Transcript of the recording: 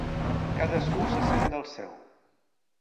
Cadascú se sent del seu.